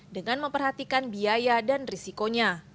dengan memperhatikan biaya dan risikonya